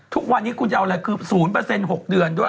ทุกวันนี้คุณจะเอาอะไรคือ๐๖เดือนด้วย